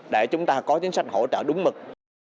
để chúng ta có chính sách hỗ trợ đúng mực